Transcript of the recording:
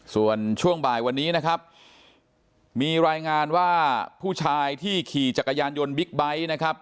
ส่วนช่วงบ่ายวันนี้นะครับมีรายงานว่าผู้ชายที่ขี่จักรยานยนต์บิ๊กไบท์นะครับ